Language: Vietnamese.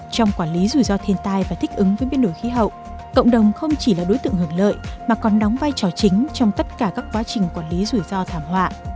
trong quản lý rủi ro thiên tai và thích ứng với biến đổi khí hậu cộng đồng không chỉ là đối tượng hưởng lợi mà còn đóng vai trò chính trong tất cả các quá trình quản lý rủi ro thảm họa